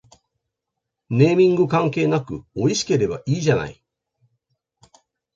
ネーミング関係なくおいしければいいじゃない